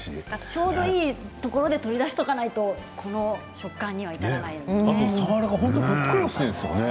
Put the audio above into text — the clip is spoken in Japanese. ちょうどいい時に取り出しておかないとこの食感には至らないですよね。